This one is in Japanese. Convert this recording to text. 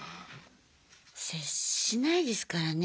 接しないですからね